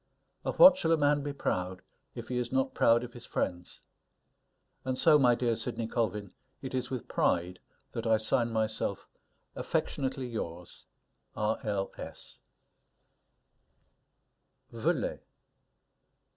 Of what shall a man be proud, if he is not proud of his friends? And so, my dear Sidney Colvin, it is with pride that I sign myself Affectionately yours, R. L.